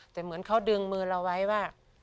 แต่เหมือนเขาดึงมือเราไว้ว่า